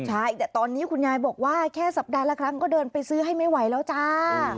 ใช่แต่ตอนนี้คุณยายบอกว่าแค่สัปดาห์ละครั้งก็เดินไปซื้อให้ไม่ไหวแล้วจ้า